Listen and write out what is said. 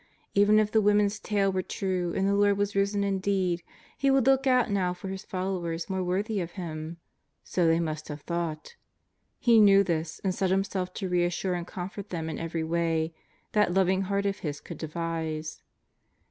Even if the women's tale were true and the Lord was risen indeed, He would look out now for followers more worthy of Him. So they must have thought. He knew this and set Himself to reassure and comfort them in every way that loving Heart of His could de vise.